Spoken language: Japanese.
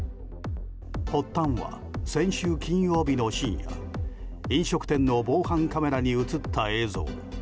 発端は、先週金曜日の深夜飲食店の防犯カメラに映った映像。